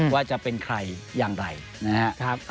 ว่าจะเป็นใครอย่างไรนะครับ